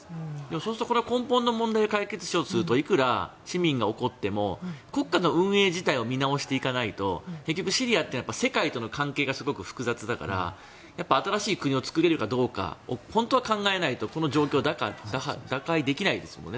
そうすると、これを根本の問題まで解決しようとするといくら市民が怒っても国家の運営自体を見直していかないと結局、シリアって世界との関係がすごく複雑だから新しい国を作れるかどうか本当は考えないと、この状況を打開できないですよね。